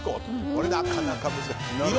これ、なかなか難しい。